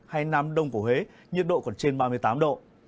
hay nam đông của huế nhiệt độ còn trên ba mươi tám độ